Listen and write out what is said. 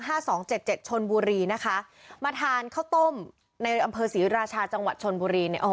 สองเจ็ดเจ็ดชนบุรีนะคะมาทานข้าวต้มในอำเภอศรีราชาจังหวัดชนบุรีเนี่ยอ๋อ